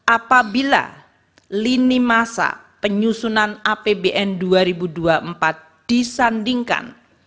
apabila lini masa penyusunan apbn dua ribu dua puluh empat disandingkan